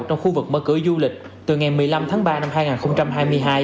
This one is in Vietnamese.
trong khu vực mở cửa du lịch từ ngày một mươi năm tháng ba năm hai nghìn hai mươi hai